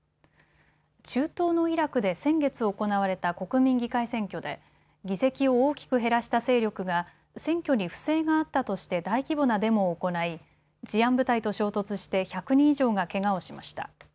中東のイラクで先月行われた国民議会選挙で議席を大きく減らした勢力が選挙に不正があったとして大規模なデモを行い治安部隊と衝突して１００人以上がけがをしました。